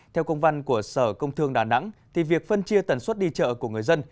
theo công văn của sở công thương đà nẵng thì việc phân chia tần suất đi chợ của người dân